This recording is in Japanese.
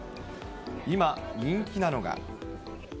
今、人気なのが。